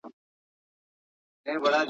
هم بوره، هم بد نامه.